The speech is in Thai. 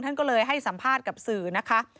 ท่านก็เลยให้สัมภาษณ์กับสื่อนะคะ